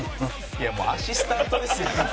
いやもうアシスタントですやん。